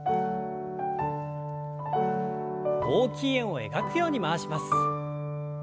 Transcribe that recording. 大きい円を描くように回します。